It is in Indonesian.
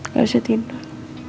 gak usah tidur